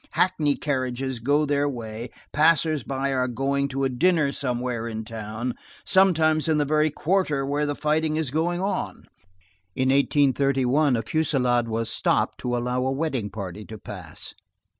Hackney carriages go their way; passers by are going to a dinner somewhere in town. Sometimes in the very quarter where the fighting is going on. In 1831, a fusillade was stopped to allow a wedding party to pass.